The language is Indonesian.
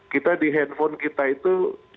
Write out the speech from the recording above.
kita di handphone kita itu